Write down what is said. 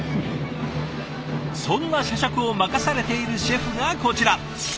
そんな社食を任されているシェフがこちら。